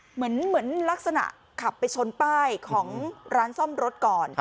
เหมือนลักษณะขับไปชนป้ายของร้านซ่อมรถก่อน